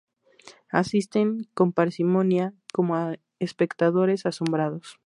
asisten con parsimonia como espectadores asombrados